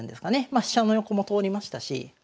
ま飛車の横も通りましたし。